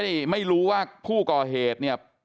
เรื่องต้นไม่รู้ว่าผู้ก่อเหตุ